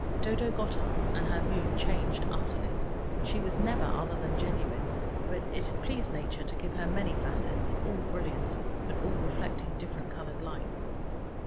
Dodo got up, and her mood changed utterly. She was never other than genuine, but it had pleased Nature to give her many facets, all brilliant, but all reflecting different colored lights.